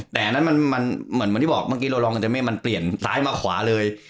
แต่เหมือนที่บอกเหมือนที่เราลองมันเปลี่ยนซ้ายมาขวาเลย